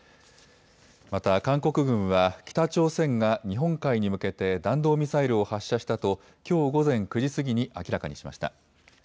また韓国軍は北朝鮮が日本海に向けて弾道ミサイルを発射したときょう午前９時過ぎに明らかにしました。